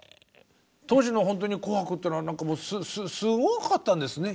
当時のほんとに「紅白」っていうのはすごかったんですね。